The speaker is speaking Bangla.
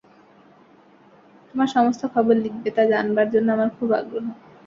তোমার সমস্ত খবর লিখবে, তা জানবার জন্য আমার খুব আগ্রহ।